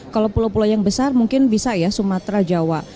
kalau pulau pulau yang besar mungkin bisa ya sumatera jawa